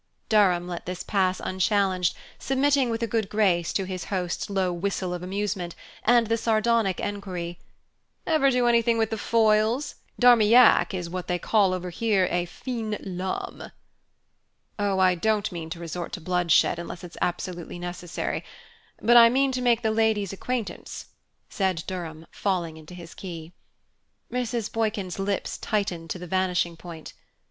Durham let this pass unchallenged, submitting with a good grace to his host's low whistle of amusement, and the sardonic enquiry: "Ever do anything with the foils? D'Armillac is what they call over here a fine lame." "Oh, I don't mean to resort to bloodshed unless it's absolutely necessary; but I mean to make the lady's acquaintance," said Durham, falling into his key. Mrs. Boykin's lips tightened to the vanishing point.